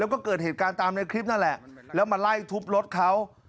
แล้วก็เกิดเหตุการณ์ตามในคลิปนั่นแหละแล้วมาไล่ทุบรถเขา